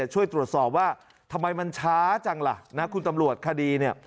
ช่วยตรวจสอบว่าทำไมมันช้าจังล่ะนะคุณตำรวจคดีเนี่ย